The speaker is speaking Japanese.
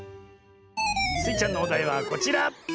スイちゃんのおだいはこちら！